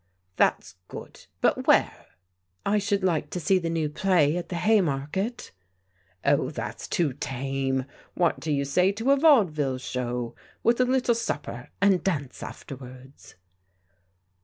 " That's good. But where ?"I should like to see the new play at the Haymarket." " Oh, that's too tame. What do you say to a vaudeville show, with a little supper and dance afterwards